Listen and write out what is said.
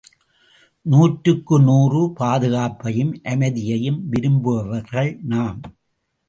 நூற்றுக்கு நூறு பாதுகாப்பையும் அமைதியையும் விரும்புபவர்கள் நாம்!